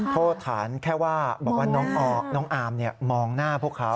โทษฐานแค่ว่าบอกว่าน้องอาร์มมองหน้าพวกเขา